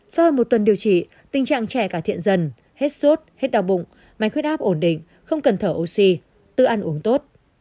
sau hơn một tuần điều trị tình trạng trẻ cải thiện dần hết sốt hết đau bụng máy khuyết áp ổn định không cần thở oxy tự ăn uống tốt